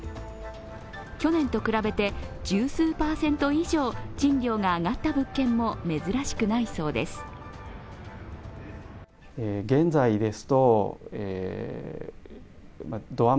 去年と比べて十数％以上賃料が上がった物件も珍しくないそうです。